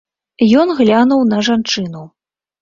Ён глянуў на жанчыну.